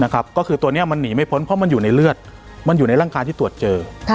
ก็คือตัวนี้มันหนีไม่พ้นเพราะมันอยู่ในเลือดมันอยู่ในร่างกายที่ตรวจเจอ